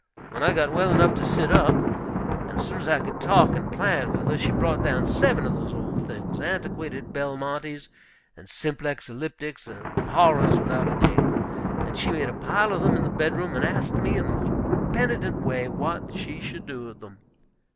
When I got well enough to sit up, and as soon as I could talk and plan with her, she brought down seven of these old things, antiquated Belmontes and Simplex Elliptics, and horrors without a name, and she made a pile of them in the bedroom, and asked me in the most penitent way what she should do with them.